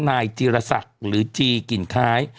นายจีรศักดิ์หรือจีกลิ่นคล้าย